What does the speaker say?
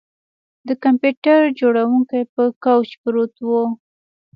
د کمپیوټر جوړونکی په کوچ پروت و